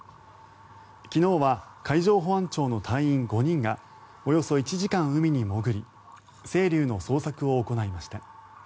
昨日は海上保安庁の隊員５人がおよそ１時間海に潜り「せいりゅう」の捜索を行いました。